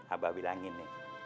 abah bilangin nih